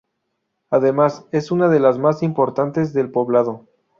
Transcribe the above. Además es una de las más importantes del Poblado.